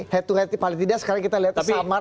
head to headnya paling tidak sekarang kita lihat samar